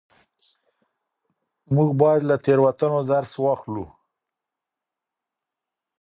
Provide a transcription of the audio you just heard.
موږ بايد له تېروتنو درس واخلو.